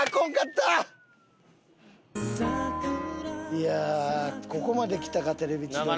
いやここまできたか『テレビ千鳥』も。